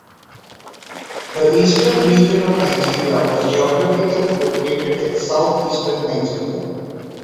The Eastern region of Nigeria was geographically located in Southeastern Nigeria.